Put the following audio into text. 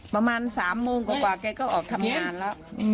ประมาณ๓โมงกว่าแกก็ออกทำงานแล้ว